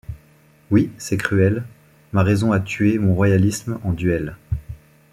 Oui, c’est cruel, Ma raison a tué mon royalisme en duel.